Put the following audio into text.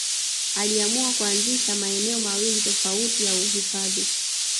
Iliamua kuanzisha maeneo mawili tofauti ya uhifadhi